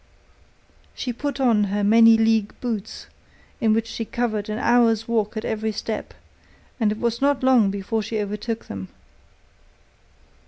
She put on her many league boots, in which she covered an hour's walk at every step, and it was not long before she overtook them.